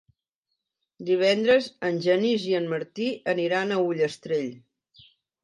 Divendres en Genís i en Martí aniran a Ullastrell.